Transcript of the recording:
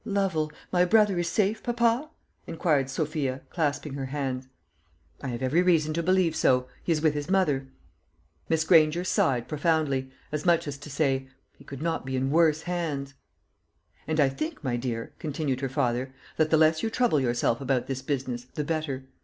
"Lovel my brother is safe, papa?" inquired Sophia, clasping her hands. "I have every reason to believe so. He is with his mother." Miss Granger sighed profoundly, as much as to say, "He could not be in worse hands." "And I think, my dear," continued her father, "that the less you trouble yourself about this business the better.